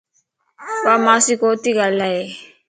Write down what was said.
وامانسين ڪوتي ڳالھائي